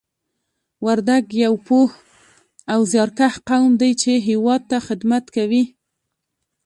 وردګ یو پوه او زیارکښ قوم دی چې هېواد ته خدمت کوي